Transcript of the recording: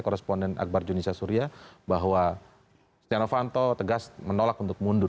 koresponden akbar junisa surya bahwa stiano fanto tegas menolak untuk mundur